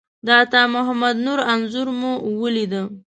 د عطامحمد نور انځور مو ولیده.